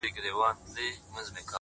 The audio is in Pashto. اوس خو پوره تر دوو بـجــو ويــښ يـــم!